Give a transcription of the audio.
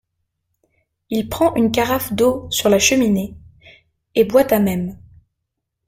Il prend une carafe d’eau sur la cheminée, et boit à même.